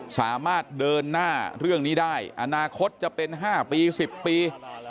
สามารถเดินหน้าเรื่องนี้ได้อนาคตจะเป็น๕ปี๑๐ปี